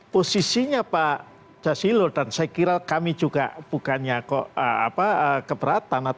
posisinya pak jasilur dan saya kira kami juga bukannya keberatan